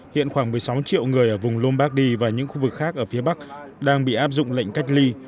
hiện khoảng một mươi sáu triệu người ở vùng lombardi và những khu vực khác ở phía bắc đang bị áp dụng lệnh cách ly